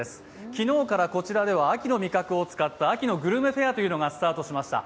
昨日からこちらでは秋の味覚を使った秋のグルメフェアがスタートしました。